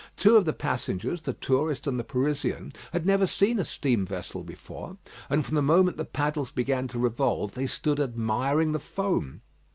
Two of the passengers the tourist and the Parisian had never seen a steam vessel before, and from the moment the paddles began to revolve, they stood admiring the foam.